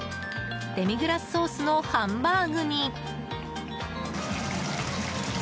デミグラスソースのハンバーグに。